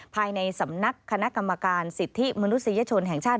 ภายในสำนักคณะกรรมการสิทธิมนุษยชนแห่งชาติ